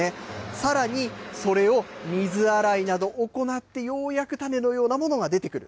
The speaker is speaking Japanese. さらにそれを水洗いなど行って、ようやく種のようなものが出てくる。